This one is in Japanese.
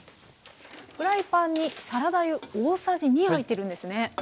フライパンにサラダ油大さじ２入ってるんですね？